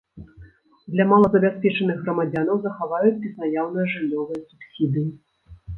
Для малазабяспечаных грамадзянаў захаваюць безнаяўныя жыллёвыя субсідыі.